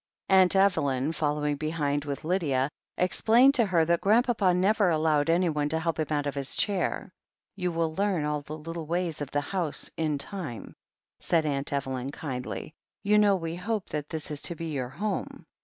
Aunt Evelyn, following behind with Lydia, ex plained to her that Grandpapa never allowed anyone to help him out of his chair. "You will learn all the little ways of the house in time," said Aunt Evelyn kindly. "You know we hope that this is to be your home."